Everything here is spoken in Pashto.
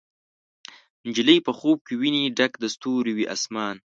نجلۍ په خوب کې ویني ډک د ستورو، وي اسمان